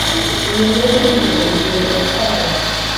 Iyi myenda y'imbere igomba gukaraba.